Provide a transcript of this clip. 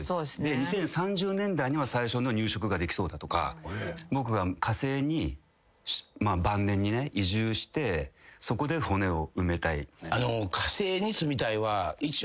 ２０３０年代には最初の入植ができそうだとか僕が火星に晩年にね移住してそこで骨を埋めたい。